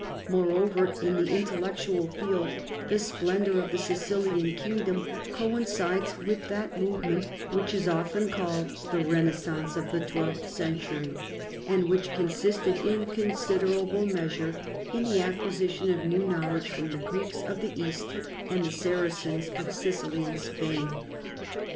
Moreover, in the intellectual field the splendor of the Sicilian kingdom coincides with that movement which is often called the renais sance of the twelfth century and which consisted in considerable measure in the acquisition of new knowl edge from the Greeks of the East and the Saracens of Sicily and Spain.